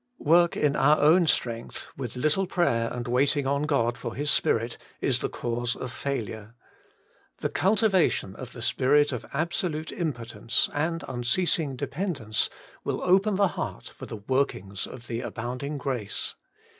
Work in our own strength, with little prayer and waiting on God for His spirit, is the cause of fail ure. The cultivation of the spirit of abso lute impotence and unceasing dependence will open the heart for the workings of the abounding grace.